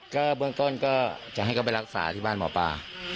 ก็เบื้องต้นก็จะให้เขาไปรักษาที่บ้านหมอปลา